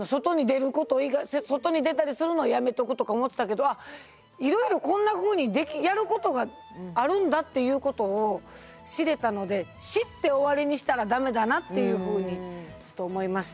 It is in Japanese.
外に出たりするのをやめとくとか思ってたけどいろいろこんなふうにやることがあるんだっていうことを知れたので知って終わりにしたら駄目だなっていうふうに思いました。